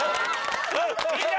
みんな！